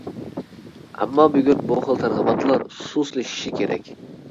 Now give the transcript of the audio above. ئەمما بۈگۈن بۇ خىل تەرغىباتلار سۇسلىشىشى كېرەك!